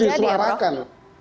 dan ini harus disuarakan